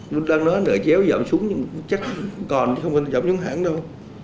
lúc đó nói nợ chéo giảm xuống chắc còn không phải giảm xuống hẳn đâu